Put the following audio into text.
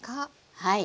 はい。